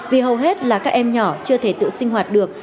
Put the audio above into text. vì hầu hết là các em nhỏ chưa thể tự sinh hoạt được